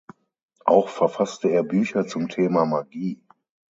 Auch verfasster er Bücher zum Thema Magie.